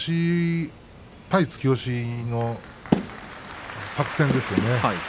対突き押しの作戦ですよね。